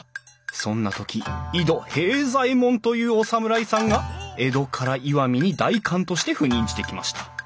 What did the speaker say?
そんな時井戸平左衛門というお侍さんが江戸から石見に代官として赴任してきました。